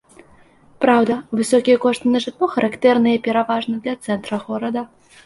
Праўда, высокія кошты на жытло характэрныя пераважна для цэнтра горада.